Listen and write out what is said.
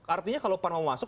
artinya kalau pan mau masuk